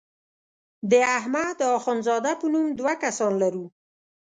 د احمد اخوند زاده په نوم دوه کسان لرو.